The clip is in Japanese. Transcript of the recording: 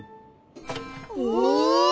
お！